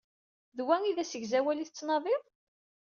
D wa i d asegzawal i tettnadiḍ?